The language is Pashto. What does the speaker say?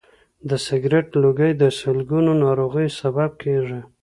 د سګرټ لوګی د سلګونو ناروغیو سبب کېږي.